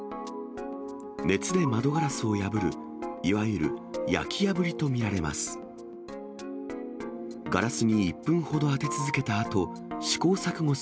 熱で窓ガラスを破る、いわゆる焼き破りと見られます。